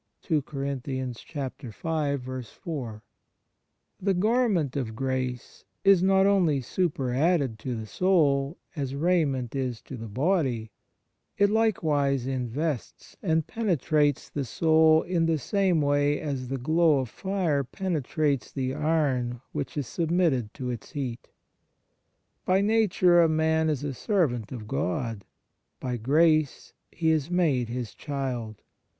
1 The garment of grace is not only superadded to the soul, as raiment is to the body; it likewise invests and penetrates the soul in the same way as the glow of fire penetrates the iron which is submitted to its heat. By nature a man is a servant of God; by grace he is made His child.